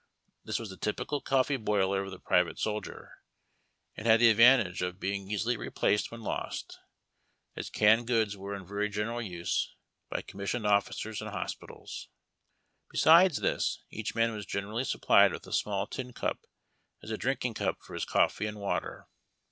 This was the typical coffee boiler of the private soldier, and had the advantage of being easily replaced when lost, as canned goods were in very general use by commissioned officers and hospitals. Besides this, each man was generally supplied with a small tin cup as a drinking cup for his coffee and water.